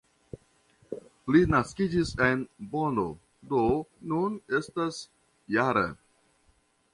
Li naskiĝis en Bonno, do nun estas -jara.